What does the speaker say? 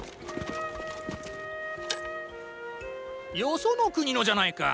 よその国のじゃないか。